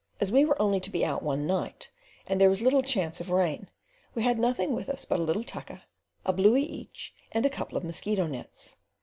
As we were only to be out one night, and there was little chance of rain, we had nothing with us but a little tucker, a bluey each, and a couple of mosquito nets.